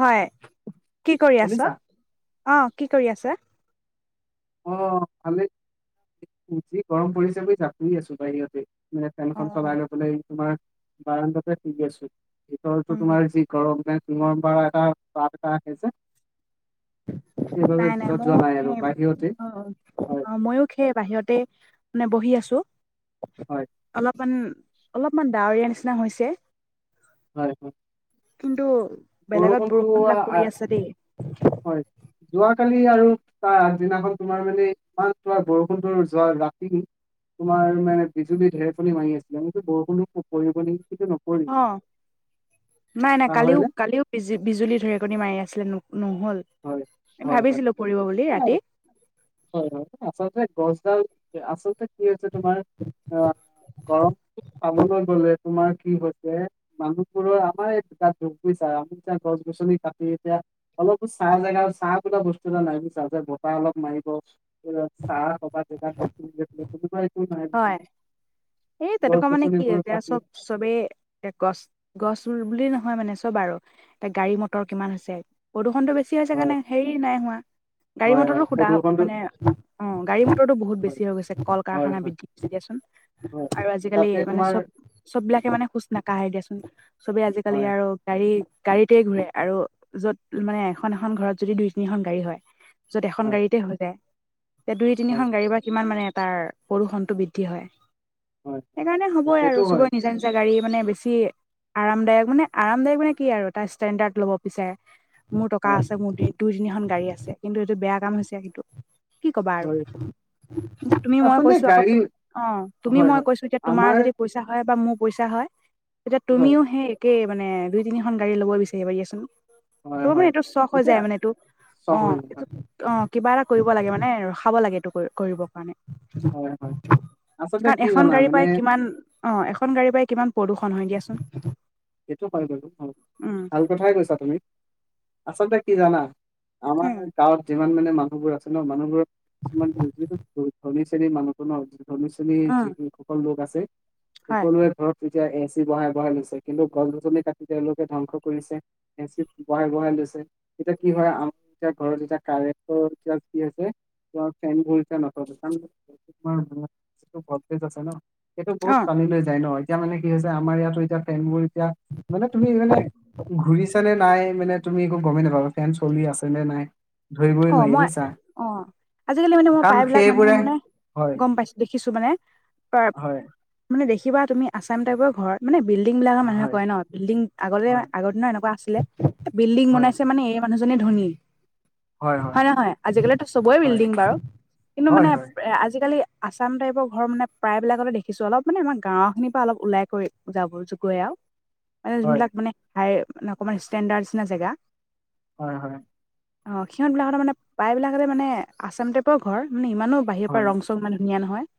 হয়, কি কৰি আছ? শুনিছা অ'। কি কৰি আছে? অ' ভালে, যি গৰম পৰিছে বুলিছা শুই আছো বাহিৰতে। অ ফেনখন চলাই লৈ পেলে তোমাৰ বাৰণ্ডাতে শুই আছো। ভিতৰতো উম তোমাৰ যি গৰম। মানে টিঙৰ পৰা এটা পাত এটা আহে যে। সেইবাবে নাই ভিতৰত মোৰ যোৱা নাই আৰু সেই বাহিৰত অ', অ', মইো সেই বাহিৰতে মানে বহি আছো। হয় অলপমান অলপমান ডাৱৰীয়া নিচিনা হৈছে। হয়, হয়। কিন্তু বেলেগত বৰষুণটো আ- বৰষুণবিলাক আ- পৰি আছে দেই। যোৱাকালি আৰু তাৰ আগদিনাখন তোমাৰ মানে ইমান তোমাৰ বৰষুণটো যোৱা ৰাতি তোমাৰ মানে বিজুলী ঢেৰেকণি মাৰি আছিলে মই বোলো বৰষুণ পৰিব নেকি! কিন্তু নপৰিল অ', নাই নাই চাহ হয় কালিও নে কালিও বিজু বিজুলী ঢেৰেকণি মাৰি আছিলে নহ'ল হয় হয় ভাবিছিলো পৰিব বুলি হয় ৰাতি। হয়, হয়। আচলতে গছডাল আচলতে কি হৈছে তোমাৰ অ' গৰমটো চাবলৈ গ'লে তোমাৰ কি হৈছে মানুহবোৰৰ আমাৰ এই গাত দুখ আমি এতিয়া গছ গছনি কাটি এতিয়া অলপ ছাঁ জেগা ছাঁ বোলা বস্তু এটা নাই বুজিছা। যে বতাহ অলপ মাৰিব ছাঁ কৰবাত হয় [unintelligible] এই তেনেকুৱা মানে কি এতিয়া চব-চবেই গছ-গছ ৰুল বুলি নহয় হয় মানে চব আৰু এতিয়া গাড়ী মটৰ কিমান হৈছে। প্ৰদূষণতটো বেছি হৈছে হয় কাৰণে হেৰি নাই হোৱা। গাড়ী হয় হয় মটৰটো সোদা প্ৰদূষণটো মানে অ' গাড়ী মটৰটো বহুত হয় বেছি হৈ গৈছে। কল হয় কাৰখানা বৃ হয় দিয়াচোন। হয় আৰু আজিকালি তাতে মানে তোমাৰ চব-চববিলাকে মানে খোজ নাকাঢ়ে দিয়াচোন। চবে আজি কালি হয় আৰু গাড়ী গাড়ীতে ঘুৰে আৰু য'ত মানে। এখন এখন ঘৰত যদি দুই তিনি এখন গাড়ী হয়। য'ত এখন হয় গাড়ীতে হৈ যায়। তে দুই হয় তিনিখন গাড়ীৰ পৰা কিমান মানে তাৰ প্ৰদূষণ বৃদ্ধি হয়। হয় সেইকাৰণে হ'বই আৰু সেইটো হয় চবৰে নিজা নিজা গাড়ী মানে বেছি আৰামদায়ক মানে আৰামদায়ক মানে কি আৰু এটা ষ্টেণ্ডাৰ্ড ল'ব বিচাৰে। মোৰ টকা হয় আছে। মোৰ দুই তিনিখন গাড়ী আছে। কিন্তু এইটো বেয়া কাম হৈছে কিন্তু। কি কবা আৰু। হয় তুমি মই আচলতে কৈছো আ গাড়ী অ', তুমি হয়, মই হয়। কৈছো এতিয়া তোমাৰ আমাৰ যদি পইচা হয় বা মোৰ পইচা হয়। তেতিয়া হয়, তুমিও সেই একে মানে দুই তিনিখন গাড়ী ল'ব বিচাৰিবা দিয়াচোন। ত' হয়, হয়। মানে এইটো চখ হৈ এতিয়া যায় মানে এইটো। চহৰ অ' হয়, এইটো অ'। কিবা এটা কৰিব লাগে মানে ৰখাব লাগে এইটো কৰিবৰ কাৰণে। হয়, হয়। আচলতে কাৰণ কি এখন জানা গাড়ীৰ মানে পাই কিমান অ' এখন গাড়ীৰ পৰাই কিমান প্ৰদূষণ হয় দিয়াচোন। সেইটো হয় বাৰু হয়। উম ভাল কথাই কৈছা তুমি, আচলতে কি জানা? আমাৰ উম গাঁৱত যিমান মানে মানুহবোৰ আছে ন। মানুহবোৰ কিছুমান [unintelligible] শ্ৰেণীৰ মানুহটো ন। ধনী শ্ৰেণীৰ উম যিসকল লোক আছে হয় সকলোৰে ঘৰত এতিয়া এ ছি বহাই বহাই লৈছে। কিন্তু গছ গছলি কাটি তেওঁলোকে ধ্বংস কৰিছে। এ চি বহাই বহাই লৈছে। এতিয়া কি হয় আম এতিয়া ঘৰত এতিয়া কাৰেন্টটো [unintelligible] তোমাৰ ফেন [unintelligible] ভলটেজ আছে ন। সেইটো অ বহুত টানি লৈ যায় ন। এতিয়া মানে কি হৈছে আমাৰ ইয়াতো এতিয়া ফেনবোৰ এতিয়া মানে তুমি মানে ঘূৰিছেনে নাই মানে তুমি একো গ'মেই নাপাবা ফেন চলি আছে নে নাই। ধৰিবই অ', নোৱাৰি মই বুজিছা অ' আজিকালি মানে মই কাৰণ প্ৰায়বিলাক মানুহৰ সেইবোৰে মানে হয় গম পাইছো, দেখিছো মানে। হয় মানে দেখি কিবা, তুমি আছাম টাইপৰ ঘৰ মানে বিল্ডিংবিলাক মানুহে হয় কয় ন', বিলডিং আগতে হয় আগৰ দিনৰ এনেকুৱা আছ ছিলে, বিল্ডিং হয় হয় বনাইছে মানে এই মানুহজনে ধনী। হয় হয় হয়নে নহয়? আজিকালিতো চবৰেই হয় বিল্ডিং বাৰু। কিন্তু হয় মানে হয় আজিকালি আচাম টাইপৰ ঘৰ মানে প্ৰায়বিলাকতে দেখিছো। অলপ মানে আমাৰ গাঁৱৰখিনিৰ পৰা অলপ ওলাই কৰি যাব জগৰে আৰু। মানে হয়, যোনবিলাক মানে হাই, অকমান ষ্টেণ্ডাৰ্ড নিচিনা জেগা হয়হয়। অ' সিহঁতবিলাকৰ মানে প্ৰায়বিলাকতে মানে আচাম টাইপৰ ঘৰ। মানে ইমানো বাহিৰৰ হয়, পৰা ৰং চং মানে ধুনীয়া নহয়।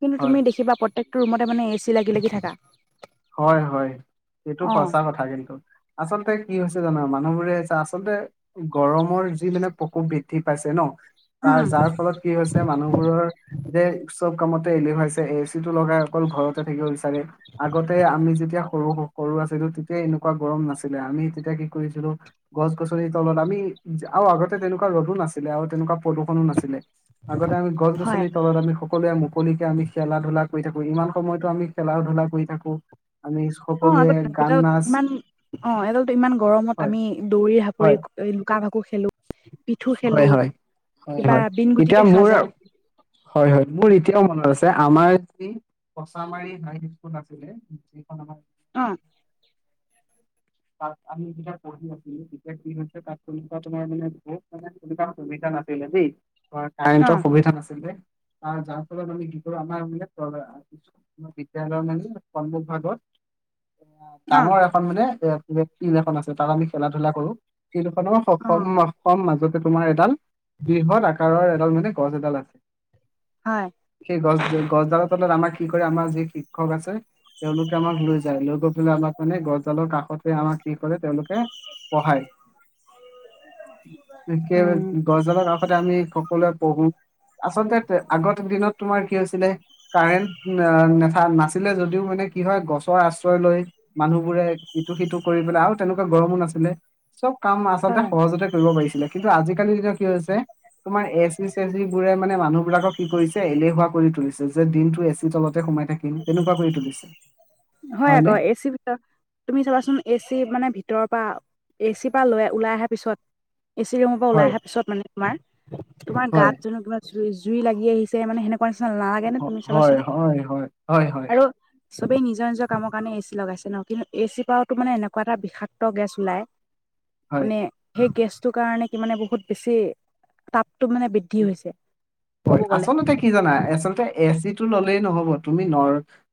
কিন্তু হয়। তুমি দেখিবা প্ৰত্যেকটো ৰুমতে মানে এ চি লাগি লাগি থাকা। হয় হয়। এইটো অ সচা কথা কিন্তু। আচলতে কি হৈছে জানা, মানুহবোৰে আচলতে, গৰমৰ যি মানে প্ৰকোপ বৃদ্ধি পাইছে ন তাৰ উম যাৰ ফলত কি হৈছে মানুহবোৰৰ যে চব কামতে এলেহোৱাইছে। এ চিটো লগাই অকল ঘৰতে থাকিব বিচাৰে। আগতে আমি যেতিয়া স-সৰু আছিলোঁ, তেতিয়া এনেকুৱা গৰম নাছিলে। আমি তেতিয়া কি কৰিছিলোঁ, গছ গছনি তলত আমি, আৰু আগতে তেনেকুৱা ৰ'দো নাছিলে আৰু তেনেকুৱা প্ৰদূষণো নাছিলে। আগতে আমি গছ হয় গছনিৰ তলত আমি সকলোৱে মুকলিকে আমি খেলা ধূলা কৰি থাকো, ইমান সময়তো আমি খেলা ধূলা কৰি থাকো। আমি অ' সকলোৱে আগতে গান নাচ ইমান, অ' এডালটো ইমান গৰমত হয় আমি দৌৰি ধাপৰি, হয় লুকা ভাকু খেলো পিঠু খেলো হয় হয়। হয় কিবা হয়। বিন এতিয়া গুটিকে মোৰ সাজায় হয়-হয়। মোৰ এতিয়াও মনত আছে। যে আমাৰ যি কচামাৰী হাইস্কুল আছিলে, যিখন আমাৰ অ'। তাত আমি যেতিয়া পঢ়ি আছিলোঁ তেতিয়া কি হৈছে তা তোমাৰ মানে বহুত মানে সুবিধা নাছিলে দেই। অ কাৰেণ্টৰ সুবিধা নাছিল যে আৰু যাৰ ফলত আমি কি কৰোঁ, আমাৰ মানে কি বিদ্যালয়ৰ মানে সন্মুখ ভাগত অ ডাঙৰ এখন মানে এি এখন আছে, তাত আমি খেলা ধূলা কৰোঁ। শিলখনৰ অ সস্থম মস্থম মাজতে তোমাৰ এডাল বৃহৎ আকাৰৰ এডাল মানে গছ এডাল আছে। হয় সেইগছ গছডালৰ তলত আমাৰ কি কৰে আমাৰ যি শিক্ষক আছে তেওঁলোকে আমাক লৈ যায় লৈ গৈ পেলাই আমাক মানে গছডালৰ কাষতে আমাক কি কৰে তেওঁলোকে পঢ়াই। বিশ গছডালৰ কাষতে আমি সকলোৱে পঢ়োঁ। আচলতে আগৰ দিনত তোমাৰ কি হৈছিলে, কাৰেণ্ট নে নাছিলে যদিও মানে কি হয় গছৰ আশ্ৰয় লৈ মানুহবোৰে ইটো সিটো কৰি পেলাই আৰু তেনেকুৱা গৰমো নাছিলে, চব কাম আচলতে হয় সহজতে কৰিব পাৰিছিলে কিন্তু আজিকালি যদি কি হৈছে তোমাৰ এ চিবোৰে মানে মানুহবিলাকক কি কৰিছে এলেুহুৱা কৰি তুলিছে। যে দিনটো এ চিৰ তলতে সোমাই থাকিম তেনেকুৱা কৰি তুলিছে। হয় হয়নে আকৌ। এ চি ভিতৰত তুমি চাবাচোন এ চি মানে ভিতৰৰ পৰা এ চিৰ পৰা লৈ ওলাই অহাৰ পিছত এ চি ৰৰুমৰ পৰা ওলাই হয় অহাৰ পিছত মানে তোমাৰ তোমাৰ হয় গাত জানো কিবা জুই লাগি আহিছে মানে সেনেকা তোমাৰ নিচিনা নালাগে নে তুমি হয় চাবাচোন হয় হয়। হয় হয়। আৰু চবেই নিজৰ নিজৰ কামৰ কাৰণে এচি লগাইছে ন' কিন্তু এ চিৰ পৰাওতো মানে এনেকুৱা এটা বিষাক্ত গেছ ওলায় মানে হয় সেই গেছটোৰ কাৰণে কি মানে বহুত বেছি তাপ হয়। গ'লে আচলতে কি জানা আচলতে এ চিটো ল'লেই নহ'ব, তুমি ন'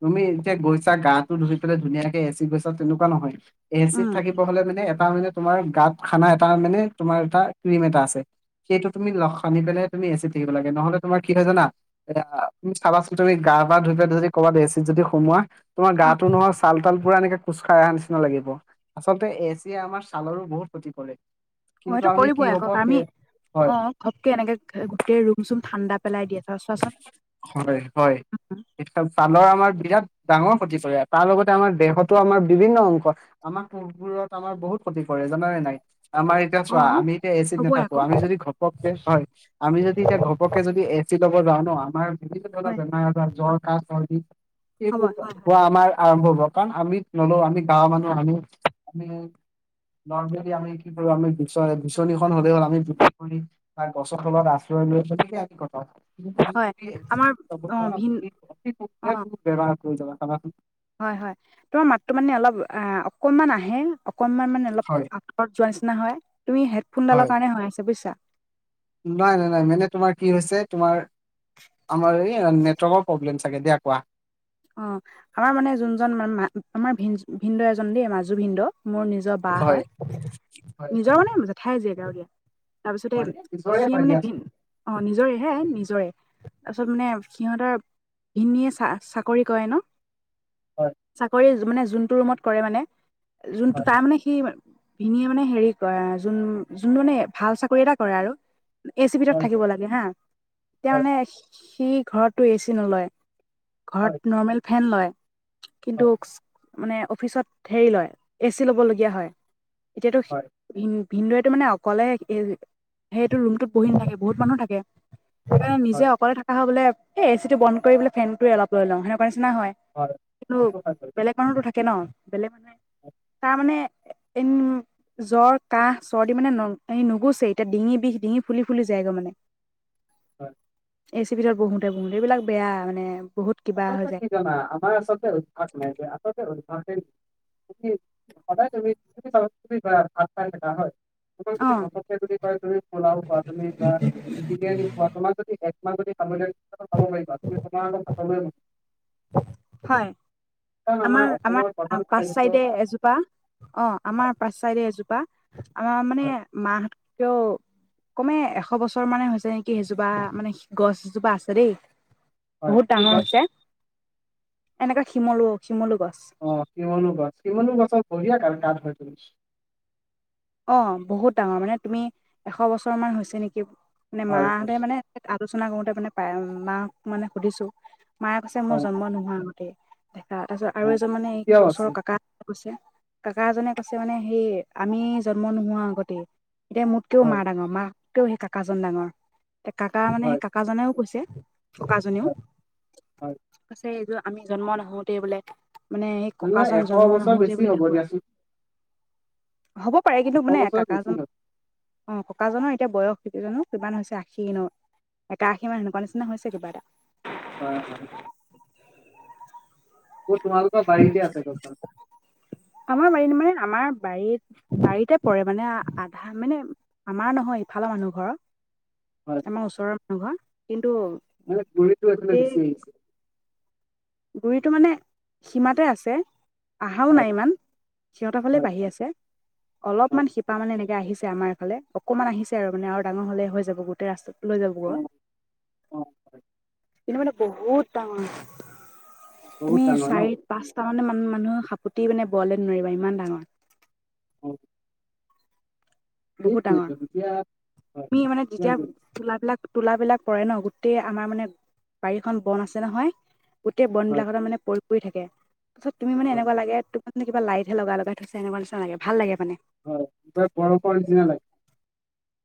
তুমি এতিয়া গৈছা গাটো ধুই পেলাই ধুনীয়াকে এ চিত গৈছা এনেকুৱা নহয়। এ চিত উম থাকিব হ'লে মানে তাৰমানে তোমাৰ গাত খানা এটা মানে তোমাৰ এটা ক্ৰীম এটা আছে, সেইটো তুমি খানি পেলাই তুমি এ চিত থাকিব লাগে, নহ'লে তোমাৰ কি হয় জানা এ, তুমি চাচোন তুমি গা পা ধুই পা যদি কবাত এ চিত যদি সোমোৱা তোমাৰ অ গাটো নহয় চাল তাল পুৰা এনেকে খোজকাঢ় অহাৰ নিচিনা লাগিব আচলতে এ চিয়ে আমাৰ ছালৰো বহুত ক্ষতি কৰে। অ', কিন্তু এইটো আমি কি কৰিবই হ'ব এককৌ আমি সেই হয়, অ' এনেকে গোটেই ৰুম চুম ঠাণ্ডা পেলাই দিয়া থ চোৱাচোন। হয়, হয়। ছালৰ আমাৰ বিৰাট ডাঙৰ ক্ষতি কৰে। তাৰ লগতে আমাৰ দেহতো আমাৰ বিভিন্ন অংশ আমাৰ পোহবোৰত আমাৰ বহুত ক্ষতি কৰে জান নে নাই আমাৰ এতিয়া অ চোৱা আমি এতিয়া এ চিত হ'বই নাথাকো। আকৌ আমি যদি ঘ হয়। আমি যদি এতিয়া ঘপককে যদি এ চি ল'ব যাও ন আমাৰ বিভিন্ন ধৰণৰ হয় বেমাৰ আজাৰ জ্বৰ ক হ'ব সেইবোৰ হয় হয় হোৱা আমাৰ আৰম্ভ হ দোকান আমি নলো আমি গাঁৱ মানুহ আমি আমি নৰ্মেলি আমি কি কৰো। আমি বিচ বিচনীখন হ'লে হ'ল আমি গছৰ খত আশ কথা ম বে হয় আমাৰ অ ভিন অ কৰি যাবা হয়। হয়। তোমাৰ মাতটোো মানে অলপ অ' অকনমান আহে। অকনমান মানে অলপ হয় আঁতৰত যোৱা নিচিনা হয় তুমি হেডফোনডালৰ হয়। কাৰণে হৈ আছ বুজছা। নাই। নাই। নাই। মানে তোমাৰ কি হৈছে। তোমাৰ আমাৰ [unintelligible] প্ৰব্লেম চাগে দিয়া কোৱা। অ', আমাৰ মানে যোনজনা আমাৰ ভ ভিনন্দ এজন দেই মাজু ভিনদ মোৰ নিজৰ বা হয় হয় হয় নিজৰ মানে জেঠাই জীয়েগ দিয় তাৰপিছতে হয় এই পিছৰে সি হয় মানে ভ দিয়াচোন অ নিজৰে হে নিজৰে তাৰপিছত মানে সিহঁতৰ ভিনীয়ে চ চাকৰি কৰে ন হয় চাকৰি মানে যোনটো ৰুমত কৰে মানে যোনটো হয় তাৰ মানে সি ভিনে মানে হেৰি কৰে যোন যোনটো মানে ভাল চাকৰি এটা কৰে আৰু এ চি ভিতৰত হয় থাকিব হয় লাগে হা হয় তানে সি ঘৰতটো এ চি নলয় হয় ঘৰত নৰ্মেল ফেন লয়। কিন্তু মানে অফিচত হেৰি লয় এ চি ল'বলগীয়া হয়। [unintelligible] হয় [unintelligible] ভিনদৰেতটো মানে অকলে সেইটো ৰুমটোত বহি নাথাকে বহুত মানুহ থাকে। সেইকাৰণে নিজে হয় অকলে থকা হ বলে এ চিো বন্ধ কৰিলে ফেনটোয়ে অলপৈ লওঁ সেনে কাৰণে নিচি হয় কিন্তু সেইটো হয় বাৰু বেলেগ হয় মানুহতো থাকে ন বেলেগ মানুহে তাৰ মানে এন জ্বৰ, কাহ, চৰ্দি মানে নুগুছে এতিয়া ডিঙি বিষ ডিঙি ফুলি ফুলি যায়গৈ মানে হয়। হয়। এ চি ভিতৰত বহোতে বহোতে এইবিলাক বেয়া মানে ব। আপতে কিকা আমাৰ আচলতে উভাস নাই যে আচলতে [unintelligible] সদায়ুমিম ভাত হয়। তোমাক অ যদি ঘমককে যদি কয় তুমি পোলাও কোৱা তুমি বা কোৱা তোমাক যদি তাব পাৰিবা তুমি তোমাৰ হয়। কাৰণ আমাৰ আমাৰ অসমৰ প্ৰধান পাচ খাদ্য চাইডে ভাত এজোপা অ'আমাৰ পাঁচ চাইডে এজোপা আম মানে হয়। ম কও। কমে এশ বছৰ মানে হৈছে নেকি সেইজোপা মানে গছ এজোপা আছে দেই হয় বহুত কি ডাঙৰ গছ হৈছে। এনেকুৱা শিমল অ', কিমনু গছ কিমনু গছৰ বঢিয়াক গাঠ তৰি অ', বহুত ডাঙৰ মানে তুমি এশ বছৰ মান হৈছে নেকি? মানে হয় মাহঁতে হয় মানে আলোচনা কৰোতে মানে পায় মাক মানে সুধিছো। মায়ে কৈছে মোৰ হয় জন্ম হয় নোহোৱা আগতে দেখা তাৰপিছত আৰু অ, এজন মানে এই এতিয়াও আছে ওচৰৰ কাকা। কৈছে কাকা এজনে কৈছে মানে সেই আমি জন্ম নোহোৱা আগতেই এতিয়া মোতকেও মা হয় ডাঙৰ মাককেও সেই কাকাজন ডাঙৰ এতিয়া কাকা মানে হয় সেই কাকাজনেও কৈছে। হয় হয় [unintelligible] আমি জন্ম নহোতে বোলে। মানে সেই তেনেকুৱা ককাজন এশ জন্ম বছৰ নহোতেই বেছি বুলি হ'ব দেখোৱা। দিয়াচোন হ'ব পাৰে। কিন্তু এশ মানে বছৰ কাকাজ বেছি হয় অ ককাজনৰ এতিয়া বয়স [unintelligible] জানো কিমান হৈছে, আশী ন একা আশী মান সেনেকুৱা নিচিনা হৈছে কিবা এটা। হয়, হয়। মোৰ তোমালোকৰ বাৰীতে আছে গছডাল আমাৰ [unintelligible] আমাৰ বাৰীত বাৰীতে পৰে মানে আধা মানে আমাৰ নহয়। ইফালৰ মানুহ ঘৰৰ হয় আমাৰ ওচৰৰ মানুহ ঘৰ। কিন্তু মানে গুৰিটো এইফালে গোটেই গুচি আহিছে গুৰিটো মানে সীমাতে আছে। আহাও হয় নাই ইমান। সিহঁতৰ ফালে হয় বাঢ়ি হয় আছে। হয় অলপমান শিপা মানে এনেকে আহিছে আমাৰ এফালে, অকণমান আহিছে আৰু মানে আৰু ডাঙৰ হলে হৈ যাব গোটেই ৰাস্তা লৈ যাব। অ অ হয় কিন্তু মানে বহুত ডাঙৰ। বহুত তুমি ডাঙৰ ন চাৰি-পাঁচটা মানে মান মানুহ সাপুতি মানে বোৱলে নোৱাৰিবা ইমান ডাঙৰ। উম। বহুত ডাঙৰ। তেতিয়া হয় তুমি মানে তেতিয়া যেতিয়া হয় তুলাবিলাক তুলাবিলাক পৰে ন, গোটেই আমাৰ মানে বাৰীখন বন আছে নহয়। গোটেই বন হয় বিলাক মানে পৰি পৰি থাকে। তাৰপাছত তুমি মানে হয় এনেুৱা লাগে কিব লাই হে লগাই লগাই থৈছে এনেকুৱা নিচিনা লাগে। ভাল লাগে মানে। হয়। বৰ পৰা নিচিনা লাগে।